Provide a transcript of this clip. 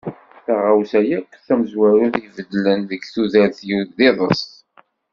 Taɣawsa akk tamezwarut i ibeddlen deg tudert-iw d iḍes.